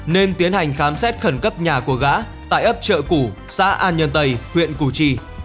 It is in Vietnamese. nên tiến hành khám xét khẩn cấp nhà của gã tại ấp chợ củ xã an nhân tây huyện củ chi